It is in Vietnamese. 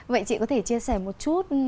vậy chị có thể chia sẻ một chút